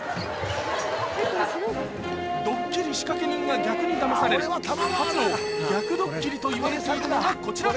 ドッキリ仕掛け人が逆にだまされる初の逆ドッキリといわれているのがこちら